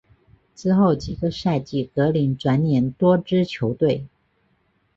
之后几个赛季格林转辗多支球队。